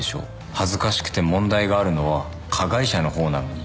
「恥ずかしくて問題があるのは加害者の方なのに」